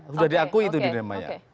sudah diakui itu di dunia maya